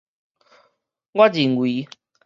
我認為